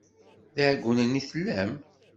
D iɛeggunen i tellam?